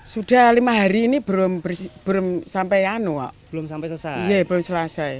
sudah lima hari ini belum sampai selesai